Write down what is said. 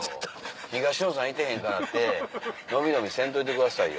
東野さんいてへんからって伸び伸びせんといてくださいよ。